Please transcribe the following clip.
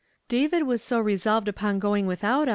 " ''David^was so. resolved upon going without sau.